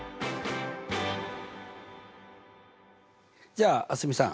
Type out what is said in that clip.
じゃあ蒼澄さん。